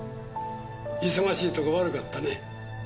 忙しいとこ悪かったね。